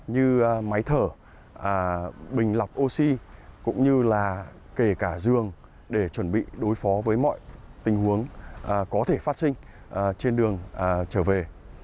như máy thở bình lọc oxy cũng như là kể cả giường để chuẩn bị đối phó với mọi tình huống có thể phát sinh trên đường trở về